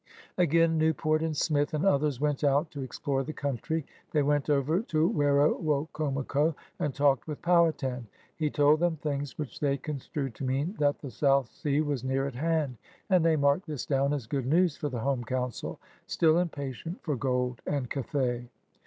Again Newport and Smith and others went out to explore the coimtry. They went over to Wero wocomoco and talked with Powhatan. He told them things which they construed to mean that the South Sea was near at hand, and they marked this down as good news for the home Coimcil — still impatient for gold and Cathay.